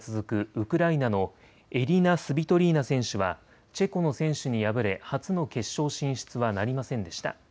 ウクライナのエリナ・スビトリーナ選手はチェコの選手に敗れ初の決勝進出はなりませんでした。